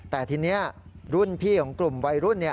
แต่ทีนี้รุ่นพี่ของกลุ่มวัยรุ่น